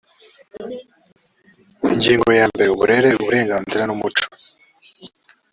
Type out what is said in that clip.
ingingo ya mbere uburere uburezi n umuco